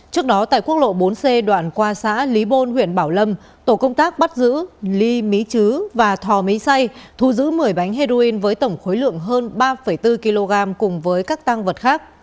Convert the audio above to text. trước đó tại quốc lộ bốn c đoạn qua xã lý bôn huyện bảo lâm tổ công tác bắt giữ ly mỹ chứ và thò mỹ say thu giữ một mươi bánh heroin với tổng khối lượng hơn ba bốn kg cùng với các tăng vật khác